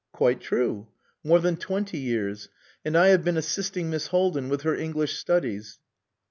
"Quite true. More than twenty years. And I have been assisting Miss Haldin with her English studies."